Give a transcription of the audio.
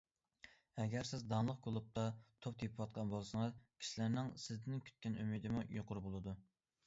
ئەگەر سىز داڭلىق كۇلۇبتا توپ تېپىۋاتقان بولسىڭىز كىشىلەرنىڭ سىزدىن كۈتكەن ئۈمىدىمۇ يۇقىرى بولىدۇ.